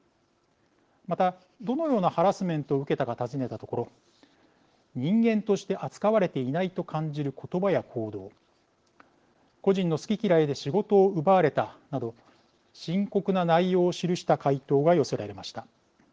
またどのようなハラスメントを受けたか尋ねたところ「人間として扱われていないと感じる言葉や行動」「個人の好き嫌いで仕事を奪われた」など深刻な内容を記した回答が寄せられました。